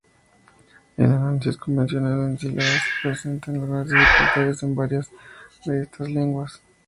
El análisis convencional en sílabas presenta algunas dificultades en varias de estas lenguas.